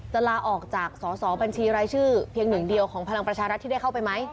ลาออกจากสอสอบัญชีรายชื่อเพียงหนึ่งเดียวของพลังประชารัฐที่ได้เข้าไปไหม